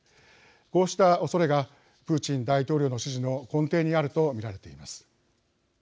こうしたおそれがプーチン大統領の支持の根底にあると見られています。